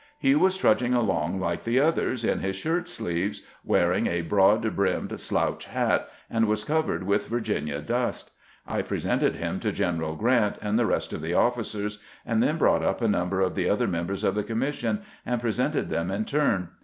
He was trudg ing along like the others in his shirt sleeves, wearing a broad brimmed slouch hat, and was covered with Vir ginia dust. I presented him to General Grant and the rest of the oflBcers, and then brought up a number of the other members of the Commission, and presented them in turn.